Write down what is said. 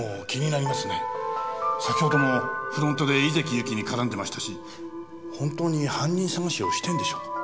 先ほどもフロントで井関ゆきに絡んでましたし本当に犯人捜しをしてるんでしょう。